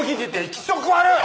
気色悪っ！